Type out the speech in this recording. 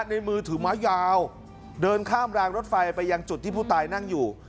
ในมือถือไม้ยาวเดินข้ามรางรถไฟไปยังจุดที่ผู้ตายนั่งอยู่